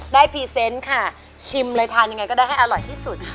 พรีเซนต์ค่ะชิมเลยทานยังไงก็ได้ให้อร่อยที่สุด